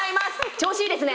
調子いいですね。